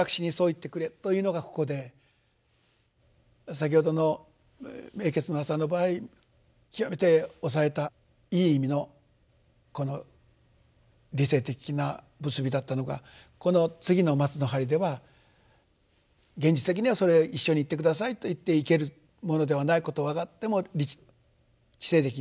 先ほどの「永訣の朝」の場合極めて抑えたいい意味のこの理性的な結びだったのがこの次の「松の針」では現実的にはそれ一緒に行って下さいと言って行けるものではないことは分かっても知性的には。